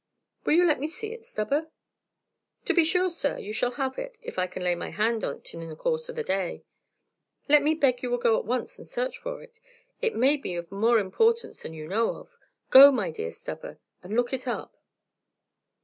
"Will you let me see it, Stubber?" "To be sure, sir, you shall have it, if I can lay my hand on 't in the course of the day." "Let me beg you will go at once and search for it; it may be of more importance than you know of. Go, my dear Stubber, and look it up."